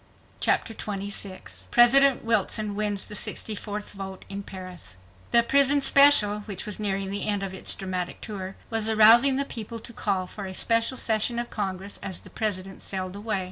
Chapter 26 President Wilson Wins the 64th Vote in Paris The "Prison Special," which was nearing the end of its dramatic tour, was arousing the people to call for a special session of Congress, as the President sailed away.